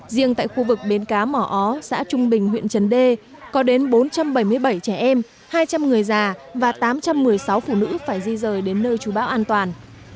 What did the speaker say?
riêng tại khu vực bến cá mỏ ó xã trung bình huyện trần đề có đến bốn trăm bảy mươi bảy trẻ em hai trăm linh người già và tám trăm một mươi sáu phụ nữ phải di rời đến nơi chú bão an toàn